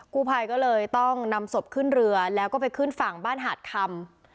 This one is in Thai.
กู้ภัยก็เลยต้องนำศพขึ้นเรือแล้วก็ไปขึ้นฝั่งบ้านหาดคำ